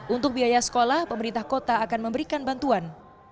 untuk biaya sekolah pemerintah kota akan memberikan bantuan